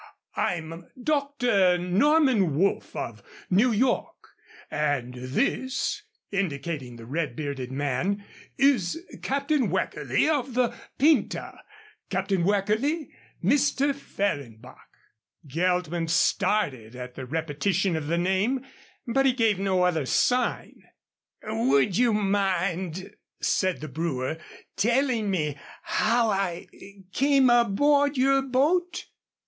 I'm Doctor Norman Woolf of New York, and this," indicating the red bearded man, "is Captain Weckerly of the Pinta. Captain Weckerly Mr. Fehrenbach." Geltman started at the repetition of the name, but he gave no other sign. "Would you mind," said the brewer, "telling me how I came aboard your boat?"